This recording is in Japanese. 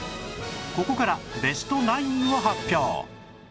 ここからベスト９を発表